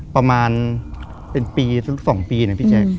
ประมาณเป็นปีสัก๒ปีนะพี่แจ๊ค